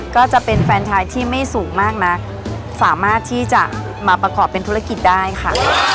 ก็จะเป็นแฟนชายที่ไม่สูงมากนักสามารถที่จะมาประกอบเป็นธุรกิจได้ค่ะ